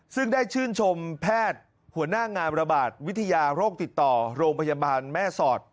ซึ่งได้ชื่นชมแพทย์หัวหน้างานระบาดวิทยาโรคติดต่อโรงพยาบาลแม่สอด